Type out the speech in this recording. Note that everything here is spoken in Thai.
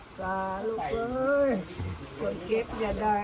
รักษาลูกเอ้ยคนเก็บอย่าได้